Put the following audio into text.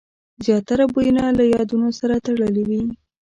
زیاتره بویونه له یادونو سره تړلي وي.